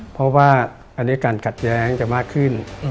เพราะว่าอันนี้การขัดแย้งจะมากขึ้น